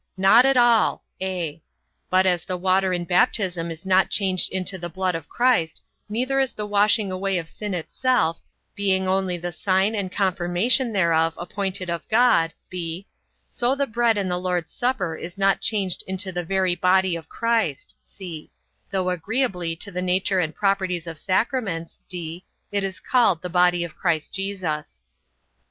Not at all: (a) but as the water in baptism is not changed into the blood of Christ, neither is the washing away of sin itself, being only the sign and confirmation thereof appointed of God; (b) so the bread in the Lord's supper is not changed into the very body of Christ; (c) though agreeably to the nature and properties of sacraments, (d) it is called the body of Christ Jesus.